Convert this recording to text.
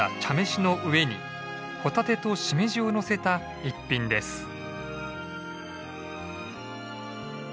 茶飯の上にホタテとシメジをのせた逸品です。